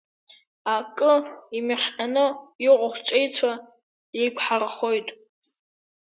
Акы, имҩахҟьаны иҟоу ҳҵеицәа еиқәҳархоит…